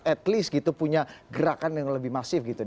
at least gitu punya gerakan yang lebih masif gitu